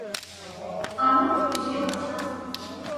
আমিও খুশি, বাছা।